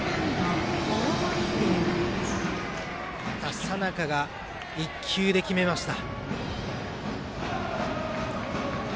また佐仲が１球で決めました。